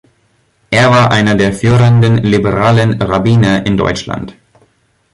Er war einer der führenden liberalen Rabbiner in Deutschland.